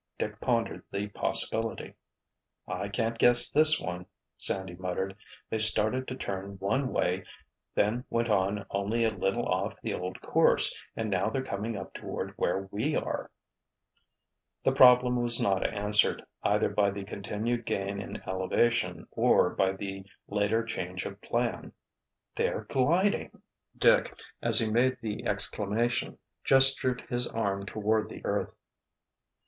Dick pondered the possibility. "I can't guess this one," Sandy muttered. "They started to turn one way, then went on only a little off the old course, and now they're coming up toward where we are." The problem was not answered, either by the continued gain in elevation or by the later change of plan. "They're gliding!" Dick, as he made the exclamation, gestured with his arm toward the earth.